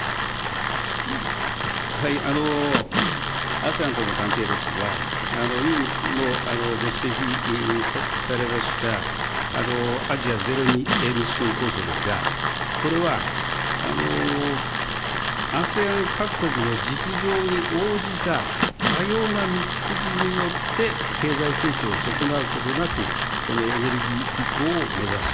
ＡＳＥＡＮとの関係ですが、委員もご指摘されました、アジア・ゼロエミッション構想ですが、これは、ＡＳＥＡＮ各国の実情に応じた多様な道筋によって経済成長を損なうことなく、このエネルギー移行を目指す。